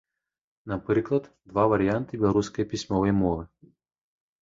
Напрыклад, два варыянты беларускай пісьмовай мовы.